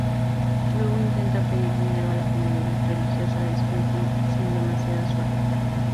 Luego intenta pedir dinero a la comunidad religiosa de Springfield, sin demasiada suerte.